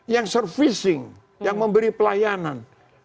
yang servicing yang memberi pelayanan